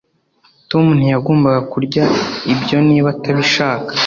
Tom ntiyagombaga kurya ibyo niba atabishaka